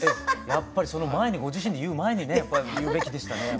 やっぱりご自身で言う前にね言うべきでしたね。